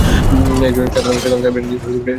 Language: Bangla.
একজন সাধারণ সার্বিয়ানের জন্য এরকম আংটি বেশ দামী!